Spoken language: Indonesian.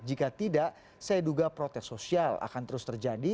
jika tidak saya duga protes sosial akan terus terjadi